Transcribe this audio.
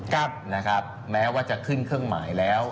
ครับนะครับแม้ว่าจะขึ้นเครื่องหมายแล้ว